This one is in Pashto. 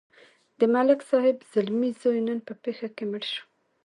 د ملک صاحب زلمی زوی نن په پېښه کې مړ شو.